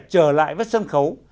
trở lại với sân khấu